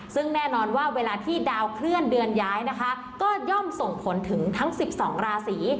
ซึ่งแน่นอนว่าเวลาที่ดาวเคลื่อนเดือนย้ายนะคะก็ย่อมส่งผลถึงทั้ง๑๒ราศี